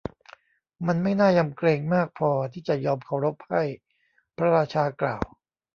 มันไม่น่ายำเกรงมากพอที่จะยอมเคารพให้ พระราชากล่าว